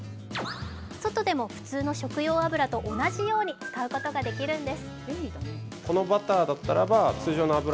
外でも普通の食用油と同じように使うことができるんです。